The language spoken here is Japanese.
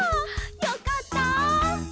よかった！